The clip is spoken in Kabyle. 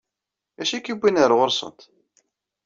D acu i k-yewwin ɣer ɣur-sent?